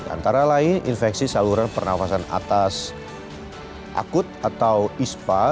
antara lain infeksi saluran pernafasan atas akut atau ispa